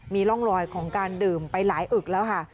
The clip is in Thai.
มีร่องรอยของการดื่มไปหลายอึกแล้วค่ะ